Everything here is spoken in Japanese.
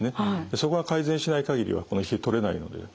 そこが改善しない限りは冷え取れないので。